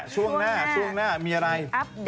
ช่วงหน้ามีอะไร